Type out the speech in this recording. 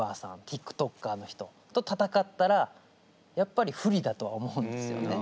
ティックトッカーの人と戦ったらやっぱり不利だとは思うんですよね。